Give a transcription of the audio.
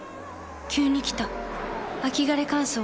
急に来た秋枯れ乾燥。